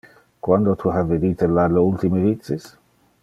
Quando ha tu vidite la le ultime vices?